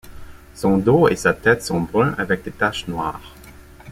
Son dos et sa tête sont bruns avec des taches noires.